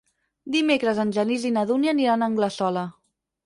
Dimecres en Genís i na Dúnia aniran a Anglesola.